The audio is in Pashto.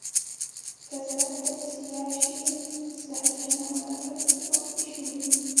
که ذره تجزیه شي زهرجنه ماده خپرېږي او پیشو مري.